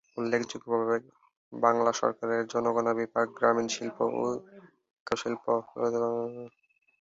উল্লেখযোগ্য ভাবে, বাংলা সরকারের জনগণনা বিভাগ, গ্রামীণ শিল্প ও কারুশিল্প, ললিতকলা একাডেমি এবং সাউথ পয়েন্ট স্কুলে।